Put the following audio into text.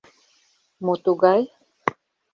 Мо тугай?